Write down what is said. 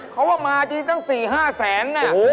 เขาว่ามาจีนตั้งสี่ห้าแสน